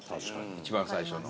一番最初の。